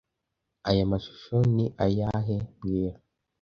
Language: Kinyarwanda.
Aya mashusho ni ayahe mbwira